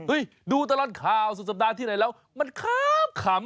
ดูตลอดข่าวสุดสัปดาห์ที่ไหนแล้วมันขำ